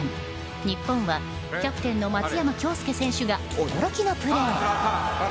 日本は、キャプテンの松山恭助選手が驚きのプレー。